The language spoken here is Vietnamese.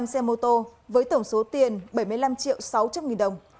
hai mươi năm xe mô tô với tổng số tiền bảy mươi năm triệu sáu trăm linh nghìn đồng